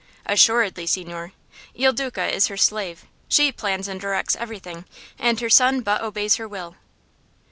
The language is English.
"Assuredly, signore. Il Duca is her slave. She plans and directs everything, and her son but obeys her will."